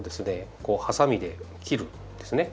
こうハサミで切るんですね。